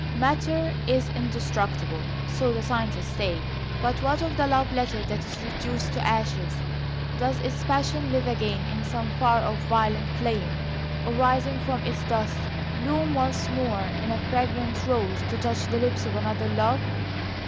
"Matter is indestructible," so the scientists say, but what of the love letter that is reduced to ashes? Does its passion live again in some far off violet flame, or, rising from its dust, bloom once more in a fragrant rose, to touch the lips of another love?